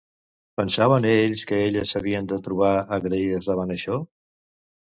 Pensaven ells que elles s'havien de trobar agraïdes davant això?